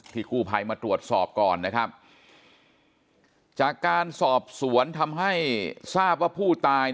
กู้ภัยมาตรวจสอบก่อนนะครับจากการสอบสวนทำให้ทราบว่าผู้ตาย